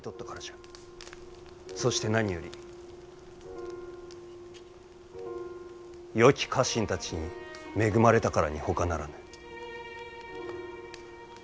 そして何よりよき家臣たちに恵まれたからにほかならぬ。